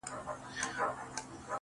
تـلاوت دي د ښايستو شعرو كومه.